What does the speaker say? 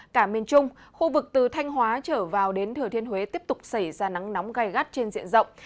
cả miền trung khu vực từ thanh hóa trở vào đến thừa thiên huế tiếp tục xảy ra nắng nóng gai gắt trên diện rộng